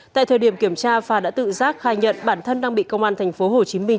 tại thời điểm kiểm tra phà đã tự giác khai nhận bản thân đang bị công an thành phố hồ chí minh